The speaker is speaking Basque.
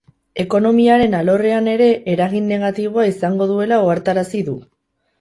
Ekonomiaren alorrean ere eragin negatiboa izango duela ohartarazi du.